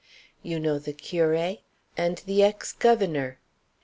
You know the curé? and the ex governor.